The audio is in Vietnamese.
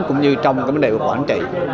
cũng như trong cái vấn đề của quản trị